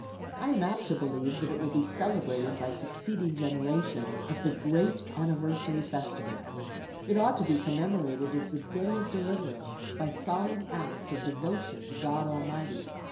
I am apt to believe that it will be celebrated by succeeding generations as the great anniversary festival. It ought to be commemorated as the day of deliverance, by solemn acts of devotion to God Almighty.